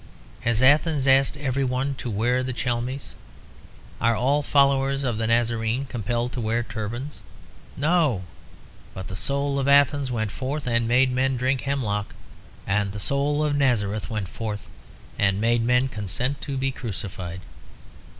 Has Athens asked every one to wear the chlamys? Are all followers of the Nazarene compelled to wear turbans. No! but the soul of Athens went forth and made men drink hemlock, and the soul of Nazareth went forth and made men consent to be crucified.